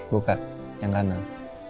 buka yang kanan